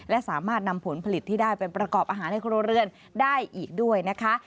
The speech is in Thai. และสามารถนำผลผลิตที่ได้ไปประกอบอาหารในครัวเรือนได้อีกด้วยนะคะ